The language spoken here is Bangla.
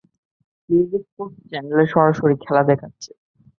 ইউরোস্পোর্টস চ্যানেলে সরাসরি খেলা দেখাচ্ছে।